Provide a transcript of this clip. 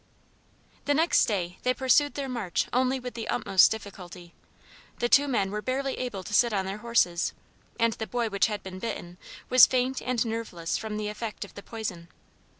The next day they pursued their march only with the utmost difficulty; the two men were barely able to sit on their horses, and the boy which had been bitten was faint and nerveless from the effect of the poison.